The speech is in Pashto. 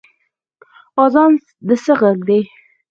اذان د څه غږ دی؟